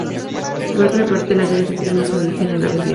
Por otra parte, la letra tiene su origen en la Biblia.